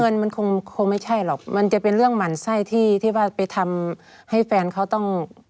เงินมันคงไม่ใช่หรอกมันจะเป็นเรื่องหมั่นไส้ที่ที่ว่าไปทำให้แฟนเขาต้อง